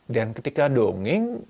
dan ketika dongeng